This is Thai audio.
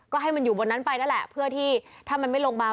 ก็ให้มันอยู่บนนั้นไปนั่นแหละเพื่อที่ถ้ามันไม่ลงมา